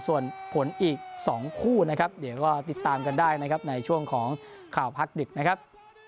ส่วนผลอีก๒คู่นะครับเดี๋ยวก็ติดตามกันได้นะครับในช่วงของข่าวพักดึกนะครับ